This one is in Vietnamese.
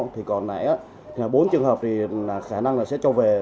thì còn nãy bốn trường hợp thì khả năng là sẽ trôi về